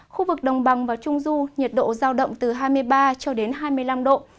khu vực đồng bằng và trung du nhiệt độ giao động từ hai mươi ba cho đến hai mươi năm độ